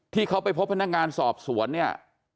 ที่เขาไปพบพนักงานสอบสวนเนี่ย